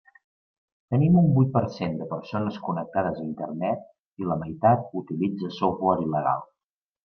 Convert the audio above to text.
Tenim un vuit per cent de persones connectades a Internet, i la meitat utilitza software il·legal.